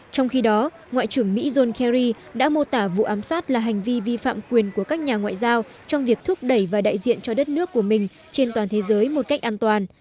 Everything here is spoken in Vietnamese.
trong khi đó ngoại trưởng mỹ john kerry đã mô tả vụ ám sát là hành vi vi phạm quyền của các nhà ngoại giao trong việc thúc đẩy và đại diện cho đất nước của mình trên toàn thế giới một cách an toàn